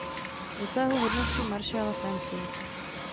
Dosáhl hodnosti maršála Francie.